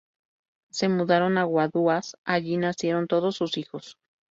Se mudaron a Guaduas, allí nacieron todos sus hijos.